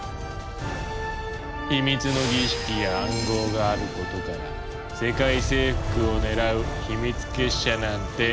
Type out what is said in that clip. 秘密の儀式や暗号があることから「世界征服を狙う秘密結社」なんて噂されることもある。